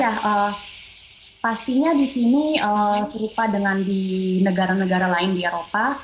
ya pastinya di sini serupa dengan di negara negara lain di eropa